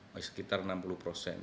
masih sekitar enam puluh persen